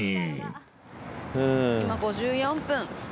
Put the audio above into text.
今５４分。